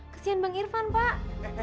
kesian bang irfan pak